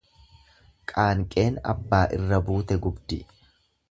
Qaanqeen abbaa irra buute gubdi.